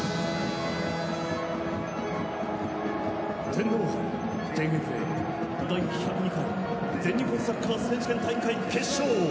天皇杯ＪＦＡ第１０２回全日本サッカー選手権大会決勝